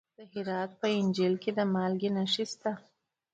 د هرات په انجیل کې د مالګې نښې شته.